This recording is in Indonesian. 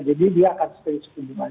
jadi dia akan stay suku jumlah